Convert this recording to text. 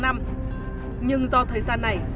nhưng do thời gian này